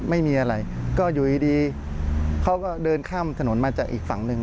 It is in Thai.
ไม่มีอะไรก็อยู่ดีเขาก็เดินข้ามถนนมาจากอีกฝั่งหนึ่ง